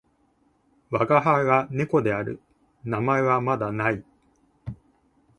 わがはいは猫である。名前はまだ無い。